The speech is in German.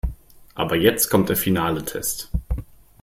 Aber jetzt kommt der finale Test.